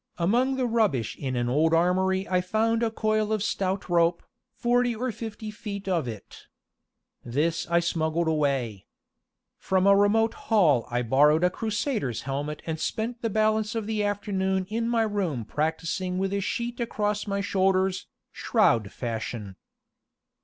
Among the rubbish in an old armory I found a coil of stout rope, forty or fifty feet of it. This I smuggled away. From a remote hall I borrowed a Crusader's helmet and spent the balance of the afternoon in my room practicing with a sheet across my shoulders, shroud fashion.